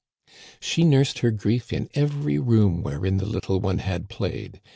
" She nursed her grief in every room wherein the lit tle one had played.